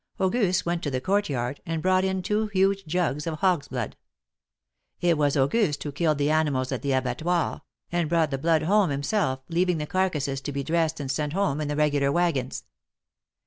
Auguste went to the court yard, and brought in two huge jugs of hogs' blood. It was Auguste who killed the animals at the abattoir, and brought the blood home him self, leaving the carcasses to be dressed and sent home in the regular wagons.